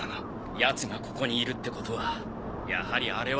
奴がここにいるってことはやはりあれは。